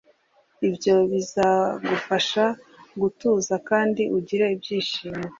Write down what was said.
Ibyo bizagufasha gutuza kandi ugire ibyishimo